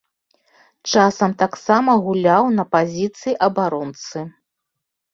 Часам таксама гуляў на пазіцыі абаронцы.